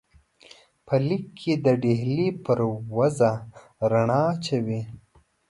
په لیک کې د ډهلي پر وضع رڼا اچوي.